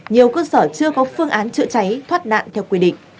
nhiều cơ sở chưa có phương án chữa cháy thoát nạn theo quy định